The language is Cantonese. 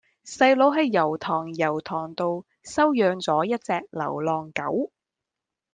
細佬喺油塘油塘道收養左一隻流浪狗